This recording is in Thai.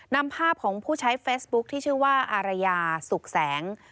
นำภาพของผู้ใช้เฟซบุ๊คที่ชื่อว่าอารยาสุขแสง